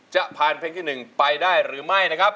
จะผ่านเพลงที่๑ไปได้หรือไม่นะครับ